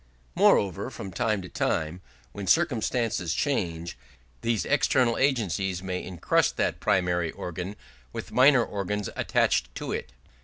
Moreover, from time to time, when circumstances change, these external agencies may encrust that primary organ with minor organs attached to it.